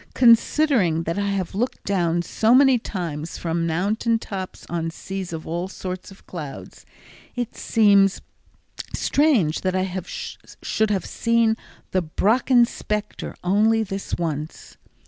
Considering that I have looked down so many times from mountain tops on seas of all sorts of clouds, it seems strange that I should have seen the "Brocken Specter" only this once.